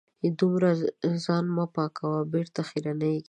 دومره ځان مه پاکوه .بېرته خیرنېږې